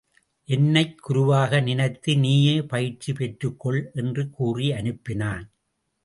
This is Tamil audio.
என்னைக் குருவாக நினைத்து நீயே பயிற்சி பெற்றுக் கொள் என்று கூறி அனுப்பினான்.